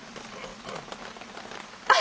あ！